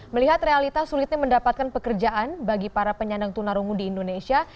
melihat realita sulitnya mendapatkan pekerjaan bagi para penyandang tunarungu di indonesia